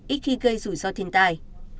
ít khi gây rủi ro thiên tài